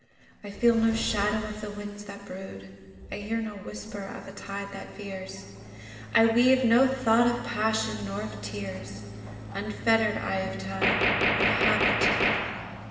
I feel no shadow of the winds that brood,I hear no whisper of a tide that veers,I weave no thought of passion, nor of tears, Unfettered I of time, of habitude.